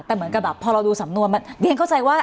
แต่เหมือนกับแบบพอเราดูสำนวนมันเรียนเข้าใจว่า